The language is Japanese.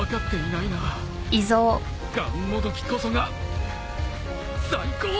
がんもどきこそが最高！